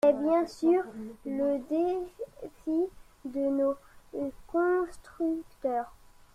C’est, bien sûr, le défi de nos constructeurs.